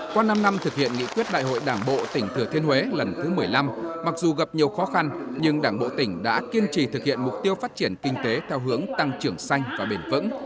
qua năm năm thực hiện nghị quyết đại hội đảng bộ tỉnh thừa thiên huế lần thứ một mươi năm mặc dù gặp nhiều khó khăn nhưng đảng bộ tỉnh đã kiên trì thực hiện mục tiêu phát triển kinh tế theo hướng tăng trưởng xanh và bền vững